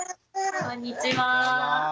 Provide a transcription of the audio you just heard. こんにちは。